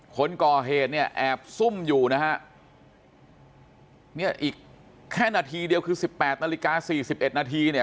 คนก่อเหตุเนี่ยแอบซุ่มอยู่นะฮะเนี่ยอีกแค่นาทีเดียวคือ๑๘นาฬิกา๔๑นาทีเนี่ย